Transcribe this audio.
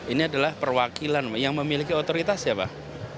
ini adalah perwakilan yang memiliki otoritas ya pak